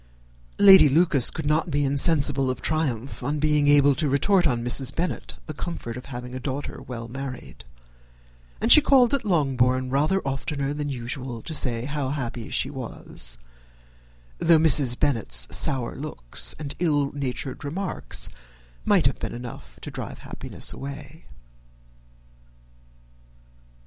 Lady Lucas could not be insensible of triumph on being able to retort on Mrs. Bennet the comfort of having a daughter well married; and she called at Longbourn rather oftener than usual to say how happy she was, though Mrs. Bennet's sour looks and ill natured remarks might have been enough to drive happiness away.